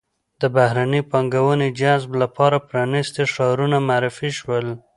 د بهرنۍ پانګونې جذب لپاره پرانیستي ښارونه معرفي شول.